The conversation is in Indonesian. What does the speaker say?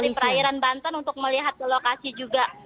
dari perairan banten untuk melihat ke lokasi juga